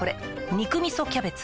「肉みそキャベツ」